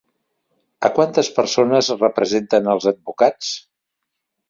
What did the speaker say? A quantes persones representen els advocats?